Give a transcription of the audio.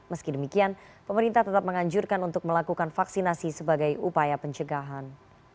meski demikian pemerintah tetap menganjurkan untuk melakukan vaksinasi sebagai upaya pencegahan